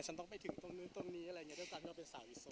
ฉันต้องไปถึงตรงนี้ตรงนี้แล้วก็เป็นสาววิศวะ